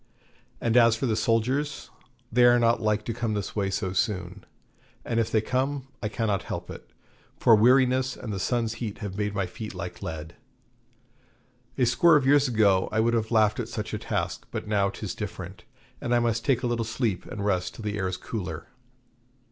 And as for the soldiers, they are not like to come this way so soon, and if they come I cannot help it; for weariness and the sun's heat have made my feet like lead. A score of years ago I would have laughed at such a task, but now 'tis different, and I must take a little sleep and rest till the air is cooler.